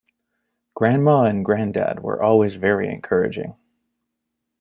Grandma and grandad were always very encouraging.